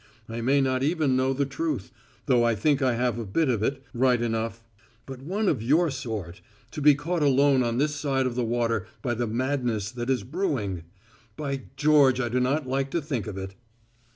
I may not even know the truth, though I think I have a bit of it, right enough. But one of your sort to be caught alone on this side of the water by the madness that is brewing! By George, I do not like to think of it!"